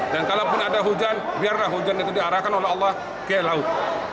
dan kalaupun ada hujan biarlah hujan itu diarahkan oleh allah ke laut